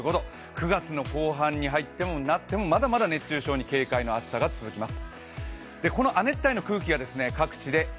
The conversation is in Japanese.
９月の後半になっても、まだまだ熱中症に警戒の暑さが続きます。